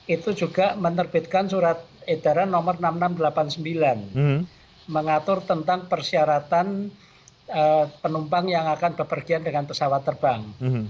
itu juga menerbitkan surat edaran nomor enam ribu enam ratus delapan puluh sembilan mengatur tentang persyaratan penumpang yang akan berpergian dengan pesawat terbang